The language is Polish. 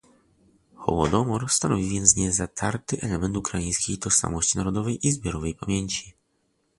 Hołodomor stanowi więc niezatarty element ukraińskiej tożsamości narodowej i zbiorowej pamięci